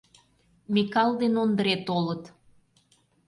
Микал ден Ондре толыт.